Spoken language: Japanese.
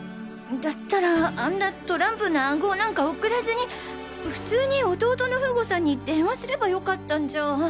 だったらあんなトランプの暗号なんか送らずに普通に弟の風悟さんに電話すれば良かったんじゃ。